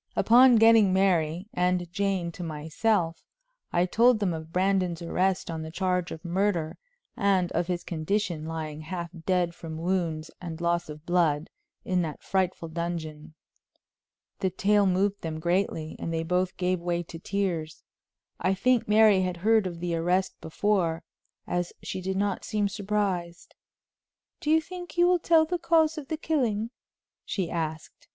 Upon getting Mary and Jane to myself, I told them of Brandon's arrest on the charge of murder, and of his condition, lying half dead from wounds and loss of blood, in that frightful dungeon. The tale moved them greatly, and they both gave way to tears. I think Mary had heard of the arrest before, as she did not seem surprised. "Do you think he will tell the cause of the killing?" she asked.